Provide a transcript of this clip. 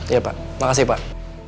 iya pak makasih pak